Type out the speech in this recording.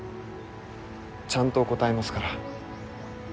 ちゃんと答えますから。